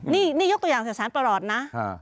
นี่ยกตัวอย่างสื่อสารประหลอดนะ